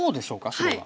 白は。